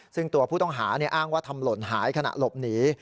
ซึ่งตัวผู้ต้องหาอ้างว่าทำหล่นหายขณะหลบหนี